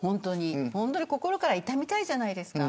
心から悼みたいじゃないですか。